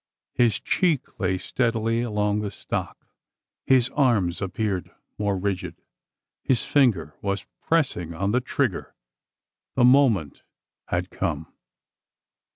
His cheek lay steadily along the stock his arms appeared more rigid his finger was pressing on the trigger the moment had come!